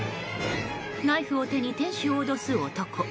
ナイフを手に店主を脅す男。